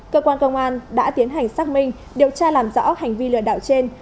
cơ quan công an đã tiến hành xác minh điều tra làm rõ hành vi lừa đảo trên